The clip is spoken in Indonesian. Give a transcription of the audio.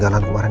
kau mau kemana